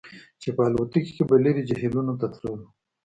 چې په الوتکه کې به لرې جهیلونو ته تللو